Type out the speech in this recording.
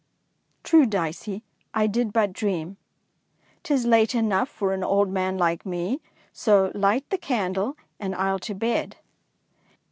^'True, Dicey, I did but dream. is late enough for an old man like me, so light the candle, and I 'll to bed."